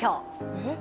えっ？